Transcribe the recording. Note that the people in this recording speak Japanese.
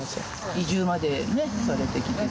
移住までねされて来てる。